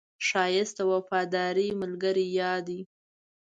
ښایست د وفادار ملګري یاد دی